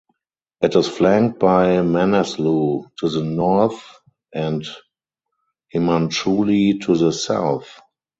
It is flanked by Manaslu to the north and Himalchuli to the south.